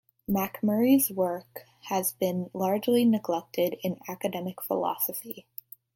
Macmurray' s work has been largely neglected in academic philosophy.